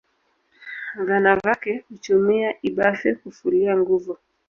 Vanavake huchumia ibafe kufulia nguvo